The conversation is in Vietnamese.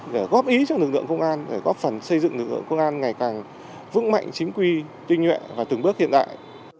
để góp ý cho lực lượng công an để góp phần xây dựng lực lượng công an ngày càng vững mạnh chính quy tinh nhuệ và từng bước hiện đại